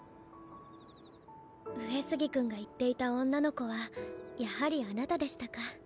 上杉君が言っていた女の子はやはりあなたでしたか